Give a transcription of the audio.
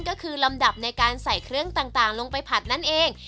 ก็คือลำดับในการใส่เครื่องต่างลงไปผัดนั่นเอง